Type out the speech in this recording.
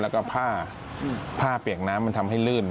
และผ้าเปียกน้ำทำให้ลื่น